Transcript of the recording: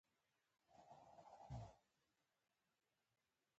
سهار مو پخیر